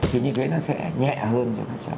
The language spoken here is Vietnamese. thì như thế nó sẽ nhẹn